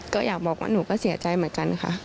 ก็อยากบอกว่าหนูก็เสียใจเหมือนกันค่ะ